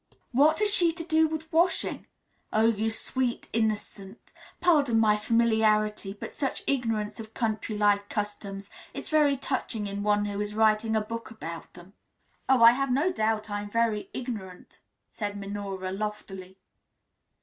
"What has she to do with washing? Oh, you sweet innocent pardon my familiarity, but such ignorance of country life customs is very touching in one who is writing a book about them." "Oh, I have no doubt I am very ignorant," said Minora loftily.